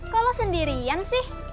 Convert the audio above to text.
kalo sendirian sih